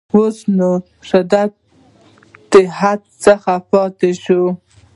اوسني شدت حدت څخه پاتې شي.